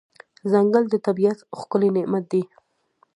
ځنګل د طبیعت ښکلی نعمت دی.